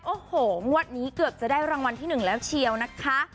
โอ้โหงวดนี้เกือบจะได้รางวัลที่๑แล้วเชียวนะคะ